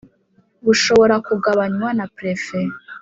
bushobora kugabanywa na prefe